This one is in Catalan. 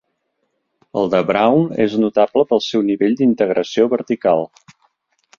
El de Braum és notable pel seu nivell d'integració vertical.